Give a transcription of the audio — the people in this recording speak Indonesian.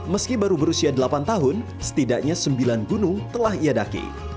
meski baru berusia delapan tahun setidaknya sembilan gunung telah ia daki